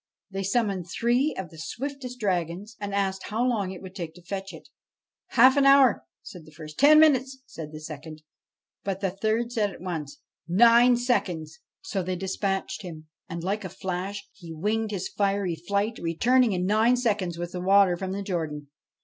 They summoned three of the swiftest dragons and asked how long it would take to fetch it. 'Half an hour I' said the first. 'Ten minutes!' said the second; but the third said at once, ' Nine seconds 1 ' So they dispatched him ; and, like a flash, he winged his fiery flight, returning in nine seconds with the water from the Jordan.